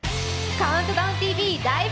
「ＣＤＴＶライブ！